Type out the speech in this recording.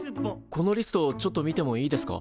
このリストちょっと見てもいいですか？